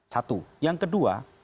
satu yang kedua